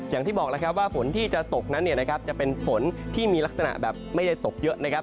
อย่างที่บอกแล้วครับว่าฝนที่จะตกนั้นเนี่ยนะครับจะเป็นฝนที่มีลักษณะแบบไม่ได้ตกเยอะนะครับ